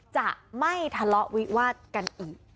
จะไม่ทะเลาะวิวาดกันอีก